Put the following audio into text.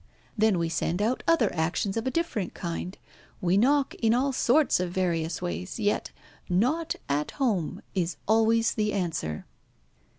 Then we send out other actions of a different kind. We knock in all sorts of various ways. Yet 'not at home' is always the answer."